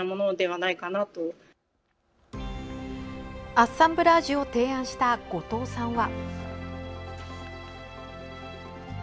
アッサンブラージュを提案した後藤さんは。